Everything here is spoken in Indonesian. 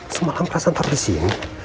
semalam perasaan tak bersih ya